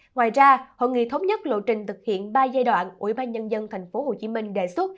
ngoài ra hội nghị thống nhất lộ trình thực hiện ba giai đoạn ủy ban nhân dân tp hcm đề xuất